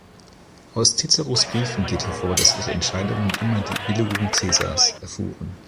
Aus Ciceros Briefen geht hervor, dass ihre Entscheidungen immer die Billigung Caesars erfuhren.